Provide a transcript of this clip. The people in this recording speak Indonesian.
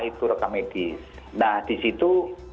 itu rekamedis nah di situ